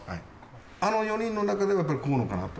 あの４人の中では、やっぱり河野かなと。